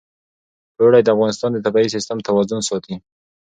اوړي د افغانستان د طبعي سیسټم توازن ساتي.